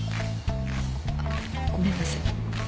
あっごめんなさい。